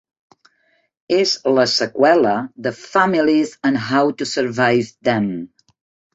És la seqüela de "Families and How to Survive Them".